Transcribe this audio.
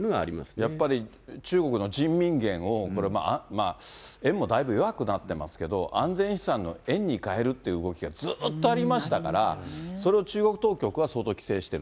やっぱり中国の人民元を、円もだいぶ弱くなってますけど、安全資産の円に換えるっていう動きがずっとありましたから、それを中国当局は相当規制してる。